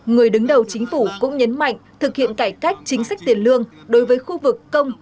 người đứng đầu chính phủ cũng nhấn mạnh thực hiện cải cách chính sách tiền lương đối với khu vực công